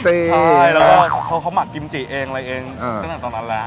ใช่แล้วก็เขาหมักกิมจิเองอะไรเองตั้งแต่ตอนนั้นแล้ว